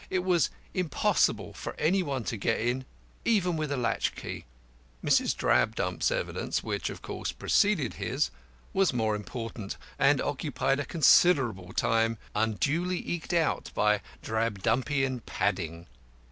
It was impossible for any one to get in, even with a latch key. Mrs. Drabdump's evidence (which, of course, preceded his) was more important, and occupied a considerable time, unduly eked out by Drabdumpian padding.